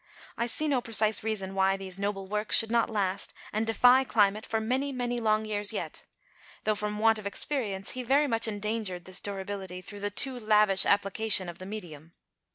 I see no precise reason why these noble works should not last, and defy climate for many, many long years yet; though from want of experience he very much endangered this durability through the too lavish application of the medium.